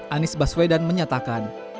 anies baswedan menyatakan